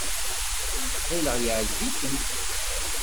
Ɣileɣ yeɛjeb-ikem.